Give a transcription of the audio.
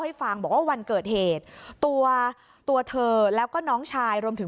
ให้ฟังบอกว่าวันเกิดเหตุตัวตัวเธอแล้วก็น้องชายรวมถึง